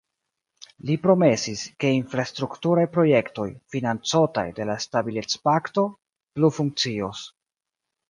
Li promesis, ke infrastrukturaj projektoj, financotaj de la Stabilecpakto, plu funkcios.